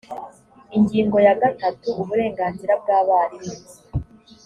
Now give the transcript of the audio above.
ingingo ya gatatu uburenganzira bw abarimu